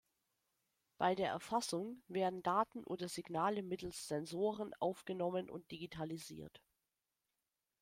Bei der "Erfassung" werden Daten oder Signale mittels "Sensoren" aufgenommen und digitalisiert.